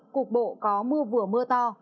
cục bộ có mưa vừa mưa to